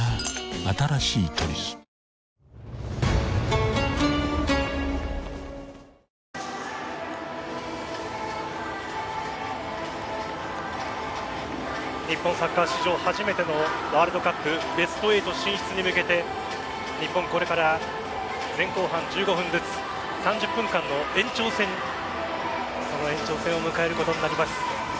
新しい「トリス」日本サッカー史上初めてのワールドカップベスト８進出に向けて日本、これから前後半１５分ずつ３０分間の延長戦その延長戦を迎えることになります。